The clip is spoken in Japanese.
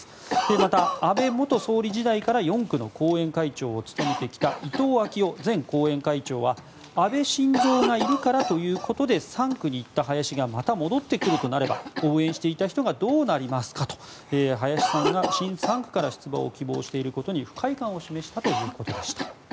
また、安倍元総理時代から４区の後援会長を務めてきた伊藤昭男前後援会長は安倍晋三がいるからということで３区に行った林がまた戻ってくるとなれば応援していた人はどうなりますかと林さんが新３区から出馬を希望していることに不快感を示したということでした。